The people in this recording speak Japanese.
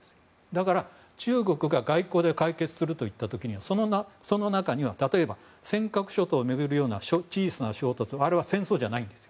だから、中国が外交で解決するといった時にはその中には、例えば尖閣諸島を巡るような小さな衝突は戦争じゃないんです。